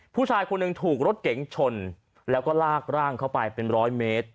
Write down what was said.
ผู้ชายคนหนึ่งถูกรถเก๋งชนแล้วก็ลากร่างเข้าไปเป็นร้อยเมตร